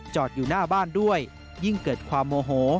อยู่หน้าบ้านด้วยยิ่งเกิดความโมโห